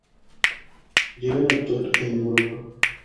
Llegan a actuar en Europa.